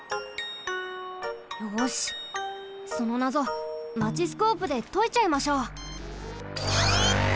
よしそのなぞマチスコープでといちゃいましょう。